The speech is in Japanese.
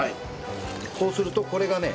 こうするとこれがね